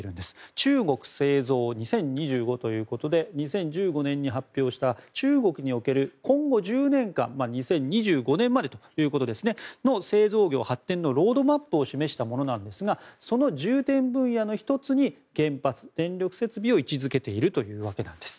中国製造２０２５ということで２０１５年に発表した中国における、今後１０年間２０２５年までの製造業発展のロードマップを示したものなんですがその重点分野の１つに原発電力設備を位置づけているというわけなんです。